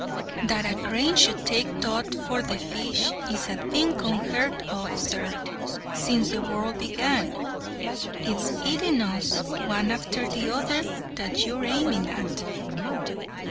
"That a crane should take thought for the fishes is a thing unheard of, sir, since the world began. It's eating us, one after the other, that you're aiming at."